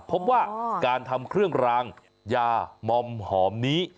พบว่าการทำเครื่องรางยามอมหอมนี้